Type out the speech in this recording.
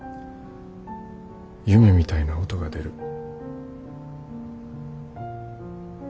夢みたいな音が出る。